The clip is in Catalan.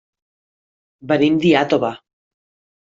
Venim d'Iàtova.